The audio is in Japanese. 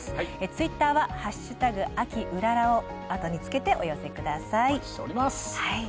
ツイッターは「＃ＮＨＫ秋うらら」をあとにつけてお寄せください。